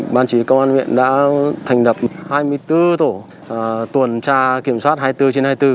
ban chỉ công an huyện đã thành đập hai mươi bốn tổ tuần tra kiểm soát hai mươi bốn trên hai mươi bốn